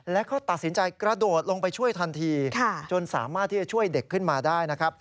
แล้วก็ตัดสินใจกระโดดลงไปช่วยทันทีจนสามารถที่จะช่วยเด็กขึ้นมาได้นะครับ